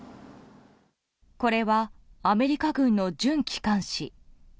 これはアメリカ軍の準機関紙。